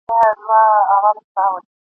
چي پر غولي د ماتم ووايی ساندي ..